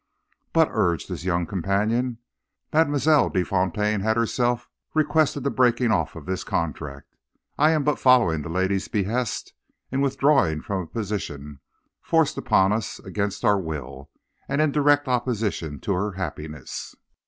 "'But,' urged his young companion, 'Mademoiselle de Fontaine had herself requested the breaking off of this contract. I am but following the lady's behests in withdrawing from a position forced upon us against our will, and in direct opposition to her happiness.'